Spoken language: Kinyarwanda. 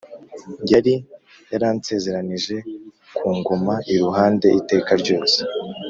yari yaransezeranije kunguma iruhande iteka ryose